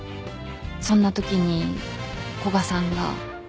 そんなときに古賀さんが。